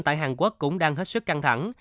tại hàn quốc cũng đang hết sức căng thẳng